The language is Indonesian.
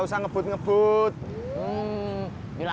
lah kerja nggak beruntung ula